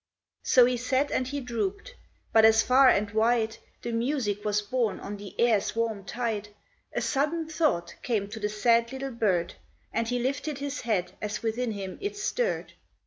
So he sat and he drooped. But as far and wide The music was borne on the air's warm tide, A sudden thought came to the sad little bird, And he lifted his head as within him it stirred.